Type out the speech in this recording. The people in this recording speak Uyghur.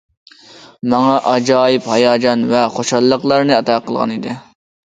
ماڭا ئاجايىپ ھاياجان ۋە خۇشاللىقلارنى ئاتا قىلغان ئىدى.